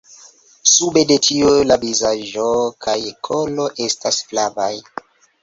Sube de tio la vizaĝo kaj kolo estas flavaj.